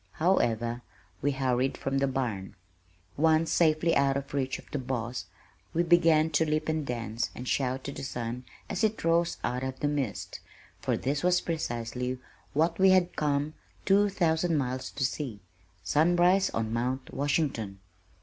However, we hurried from the barn. Once safely out of reach of the "boss" we began to leap and dance and shout to the sun as it rose out of the mist, for this was precisely what we had come two thousand miles to see sunrise on Mount Washington!